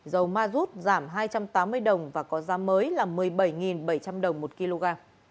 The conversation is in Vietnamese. dầu ma rút giảm hai trăm tám mươi đồng và có giá mới là một mươi bảy bảy trăm linh đồng một kg